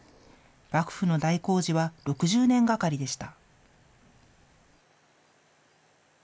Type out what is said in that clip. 幕府の大工事は６０年がかりでした。